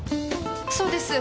そうです。